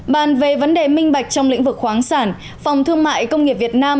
bàn về vấn đề minh bạch trong lĩnh vực khoáng sản phòng thương mại công nghiệp việt nam